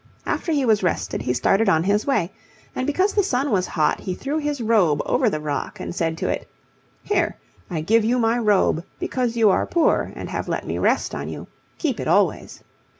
After he was rested he started on his way, and because the sun was hot he threw his robe over the rock and said to it, "Here, I give you my robe because you are poor and have let me rest on you. Keep it always."